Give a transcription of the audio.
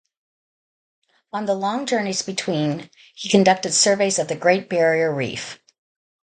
On the long journeys between he conducted surveys of the Great Barrier Reef.